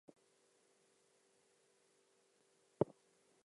Penallta Youth has also been extraordinarily successful for a 'village' club.